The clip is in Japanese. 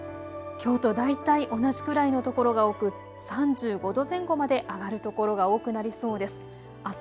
きょうと大体同じくらいの所が多く３５度前後まで上がる所が多くなりそうです。